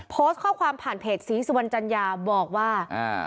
โพสต์ข้อความผ่านเพจศรีสุวรรณจัญญาบอกว่าอ่า